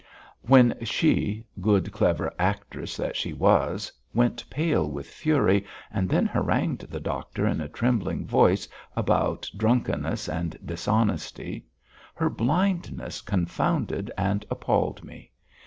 When she, good, clever actress that she was, went pale with fury and then harangued the doctor in a trembling voice about drunkenness and dishonesty; her blindness confounded and appalled me.